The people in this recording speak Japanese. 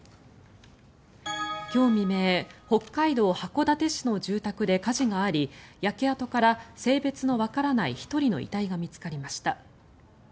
今日未明北海道函館市の住宅で火事があり焼け跡から性別のわからない１人の遺体が見つかりました。